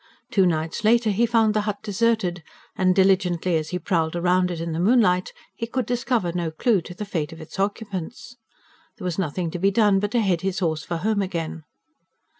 Two nights later he found the hut deserted; and diligently as he prowled round it in the moonlight, he could discover no clue to the fate of its occupants. There was nothing to be done but to head his horse for home again.